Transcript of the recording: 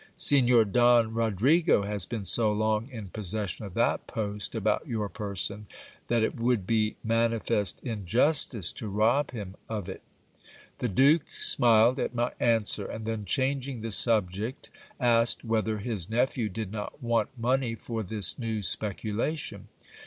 Signor Don Rodrigo has been so long in possession of that post about your person, that it would be manifest injustice to rob him of it. The duke smiled at my answer ; and then changing the subject, asked whether his nephew did not want money for this new speculation.